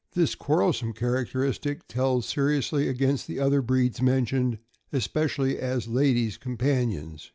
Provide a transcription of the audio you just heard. This quarrelsome characteristic tells seriously against the other breeds mentioned, espe cially as ladies' companions.